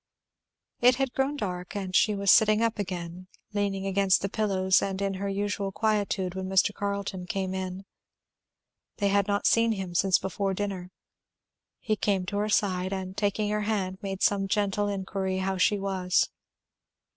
It had grown dark, and she was sitting up again, leaning against the pillows and in her usual quietude, when Mr. Carleton came in. They had not seen him since before dinner. He came to her side and taking her hand made some gentle inquiry how she was.